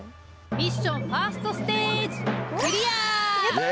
ミッションファーストステージやった！